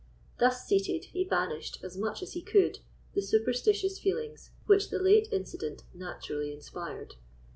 Thus seated, he banished, as much as he could, the superstitious feelings which the late incident naturally inspired.